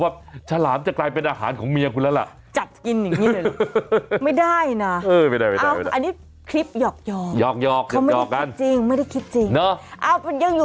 เขาเองอย่าถามเขา